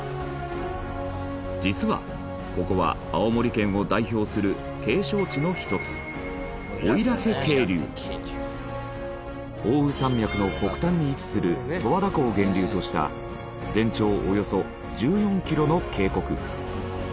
実はここは青森県を代表する景勝地の一つ奥羽山脈の北端に位置する十和田湖を源流とした全長およそ１４キロの渓谷。